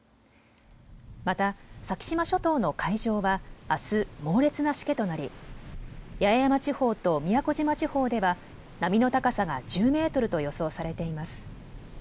また先島諸島の海上はあす猛烈なしけとなり八重山地方と宮古島地方では波の高さが１０メートルと予想されています。